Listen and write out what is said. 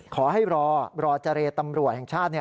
ขอให้รอรอเจรตำรวจแห่งชาติ